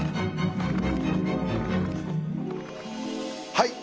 はい！